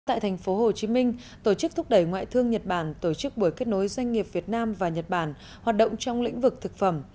tại tp hcm tổ chức thúc đẩy ngoại thương nhật bản tổ chức buổi kết nối doanh nghiệp việt nam và nhật bản hoạt động trong lĩnh vực thực phẩm